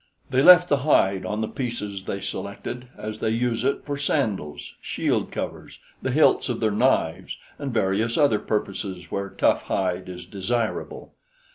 They left the hide on the pieces they selected, as they use it for sandals, shield covers, the hilts of their knives and various other purposes where tough hide is desirable.